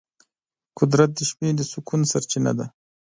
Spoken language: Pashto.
قدرت د شپې د سکون سرچینه ده.